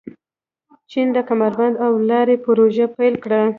چین د کمربند او لارې پروژه پیل کړه.